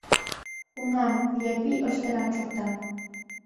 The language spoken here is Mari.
Уна, Япий ыштенат шукта.